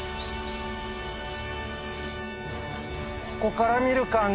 ここから見る感じ